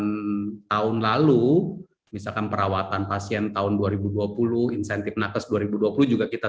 dengan tahun lalu misalkan perawatan pasien tahun dua ribu dua puluh insentif nakes dua ribu dua puluh juga kita